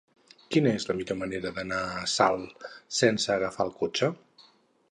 Quina és la millor manera d'anar a Salt sense agafar el cotxe?